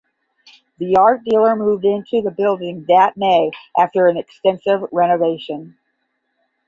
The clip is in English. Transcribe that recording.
The art dealer moved into the building that May after an extensive renovation.